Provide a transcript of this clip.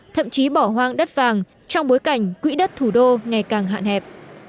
thậm chí bỏ hoang đất vàng trong bối cảnh quỹ đất thủ đô ngày càng hạn hẹp